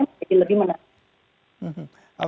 mungkin lebih menarik